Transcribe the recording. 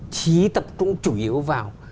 chí tập trung chủ yếu vào